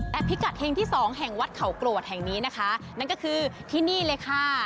แต่พิกัดเฮงที่สองแห่งวัดเขากรวดแห่งนี้นะคะนั่นก็คือที่นี่เลยค่ะ